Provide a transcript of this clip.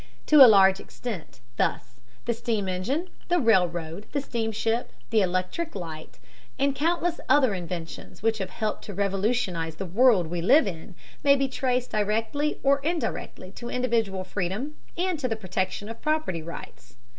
To a large extent, thus, the steam engine, the railroad, the steamship, the electric light, and countless other inventions which have helped to revolutionize the world we live in, may be traced directly or indirectly to individual freedom and to the protection of property rights.